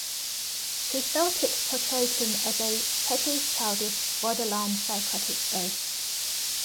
He felt it portrayed him as a "petty, childish, borderline psychotic oaf".